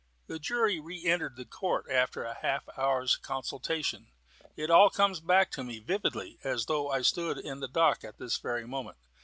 The jury re entered the court after half an hour's consultation. It all comes back to me as vividly as though I stood in the dock at this very moment.